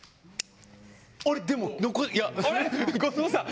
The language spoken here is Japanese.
あれでもあれ⁉後藤さん